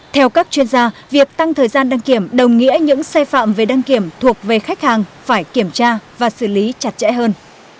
theo các chuyên gia việc tăng thời gian đăng kiểm đồng nghĩa những sai phạm về đăng kiểm thuộc về khách hàng phải kiểm tra và xử lý chặt chẽ hơn